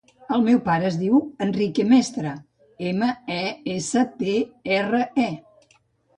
El meu pare es diu Enrique Mestre: ema, e, essa, te, erra, e.